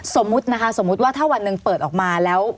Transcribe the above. สมมุตินะคะสมมุติว่าถ้าวันหนึ่งเปิดออกมาแล้ว